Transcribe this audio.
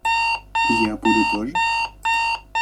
И я буду тоже.